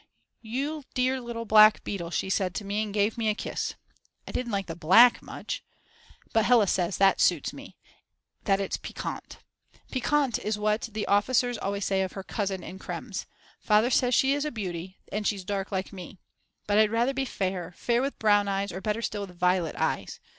You dear little black beetle she said to me and gave me a kiss. I didn't like the black much, but Hella says that suits me, that it's piquant. Piquant is what the officers always say of her cousin in Krems, Father says she is a beauty, and she's dark like me. But I'd rather be fair, fair with brown eyes or better still with violet eyes.